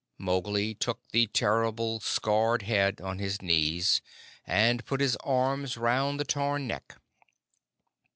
Mowgli took the terrible scarred head on his knees, and put his arms round the torn neck.